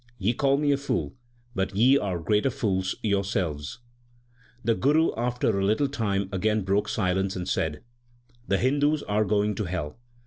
Ye call me a fool, but ye are greater fools yourselves/ The Guru after a little time again broke silence, and said, The Hindus are going to hell.